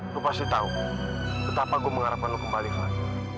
lu pasti tau betapa gue mengharapkan lu kembali taufan